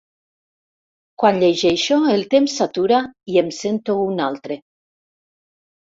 Quan llegeixo el temps s'atura i em sento un altre.